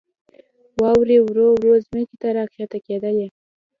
واورې ورو ورو ځمکې ته راکښته کېدلې.